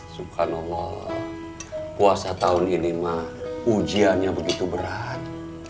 suka nolol puasa tahun ini mah ujiannya begitu berat